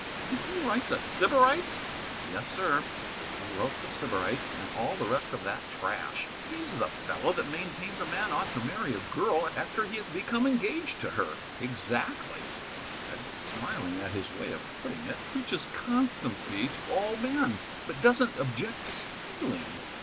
"Did he write The Sybarites?" "Yes, sir; he wrote The Sybarites, and all the rest of that trash." "He's the fellow that maintains a man ought to marry a girl after he has become engaged to her." "Exactly," I said, smiling at his way of putting it. "Preaches constancy to all men, but doesn't object to stealing."